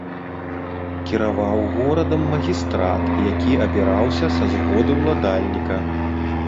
Кіраваў горадам магістрат, які абіраўся са згоды ўладальніка.